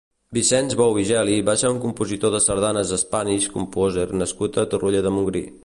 Vicenç Bou i Geli va ser un compositor de sardanes Spanish composer nascut a Torroella de Montgrí.